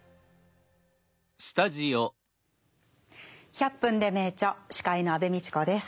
「１００分ｄｅ名著」司会の安部みちこです。